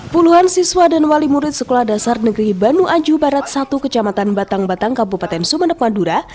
puluhan siswa dan wali murid sekolah dasar negeri banu aju barat satu kecamatan batang batang kabupaten sumeneb madura